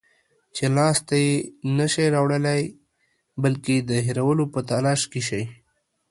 چې لاس ته یې نشی راوړلای، بلکې د هېرولو په تلاش کې شئ